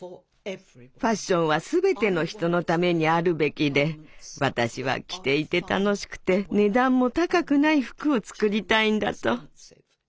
「ファッションはすべての人のためにあるべき」で「私は着ていて楽しくて値段も高くない服を作りたいんだ」と。